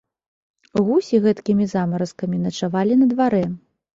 Гусі гэткімі замаразкамі начавалі на дварэ.